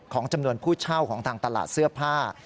จำนวนผู้เช่าของทางตลาดเสื้อผ้า